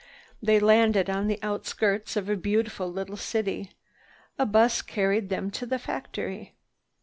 They landed on the outskirts of a beautiful little city. A bus carried them to the factory.